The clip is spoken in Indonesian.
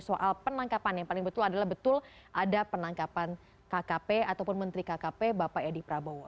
soal penangkapan yang paling betul adalah betul ada penangkapan kkp ataupun menteri kkp bapak edi prabowo